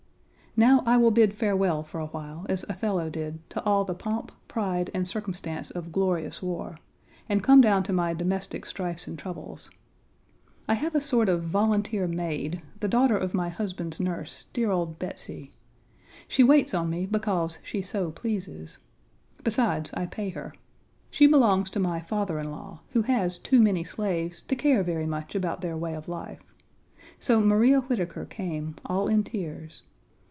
Now I will bid farewell for a while as Othello did to all the "pomp, pride, and circumstance of glorious war," and come down to my domestic strifes and troubles. I have a sort of volunteer maid, the daughter of my husband's nurse, dear old Betsy. She waits on me because she so pleases. Besides, I pay her. She belongs to my father in law, who has too many slaves to care very much about their way of life. So Maria Whitaker came, all in tears.